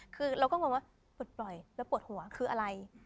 คือเราก็งงว่าปลดปล่อยแล้วปวดหัวคืออะไร